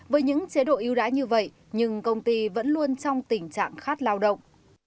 với những chế độ ưu đãi như vậy nhưng công ty vẫn luôn trong tình trạng khát lao động